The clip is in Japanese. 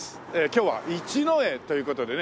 今日は一之江という事でね